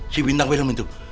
si bintang belom itu